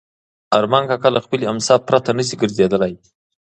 ارمان کاکا له خپلې امسا پرته نه شي ګرځېدلی.